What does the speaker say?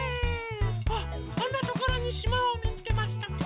あっあんなところにしまをみつけました。